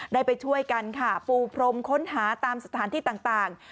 ได้ไปช่วยกันค่ะปูพรมค้นหาตามสถานที่ต่าง